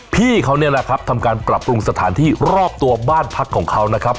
พี่เขาเนี่ยแหละครับทำการปรับปรุงสถานที่รอบตัวบ้านพักของเขานะครับ